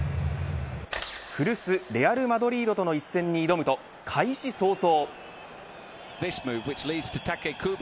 古巣レアル・マドリードとの一戦に挑むと開始早々。